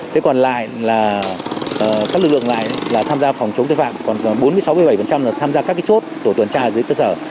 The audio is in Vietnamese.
thế còn lại là các lực lượng ngoài là tham gia phòng chống tên phạm còn bốn mươi sáu bảy là tham gia các cái chốt tổ tuần tra dưới cơ sở